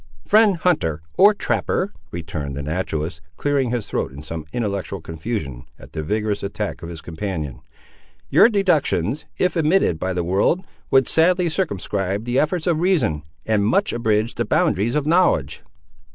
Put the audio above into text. "Friend hunter, or trapper," returned the naturalist, clearing his throat in some intellectual confusion at the vigorous attack of his companion, "your deductions, if admitted by the world, would sadly circumscribe the efforts of reason, and much abridge the boundaries of knowledge."